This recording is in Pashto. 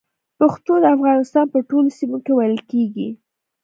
پښتو د افغانستان په ټولو سيمو کې ویل کېږي